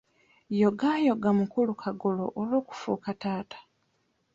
Yogaayoga mukulu Kagolo olw'okufuuka taata.